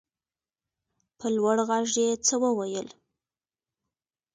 په لوړ غږ يې څه وويل.